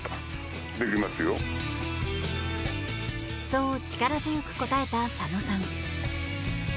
そう力強く答えた左野さん。